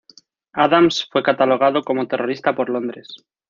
Adams fue catalogado como terrorista por Londres.